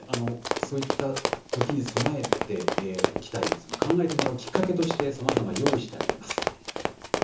そういった時に備えておきたいその考えてもらうきっかけとしてさまざま用意してあります。